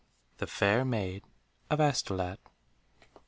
THE FAIR MAID OF ASTOLAT.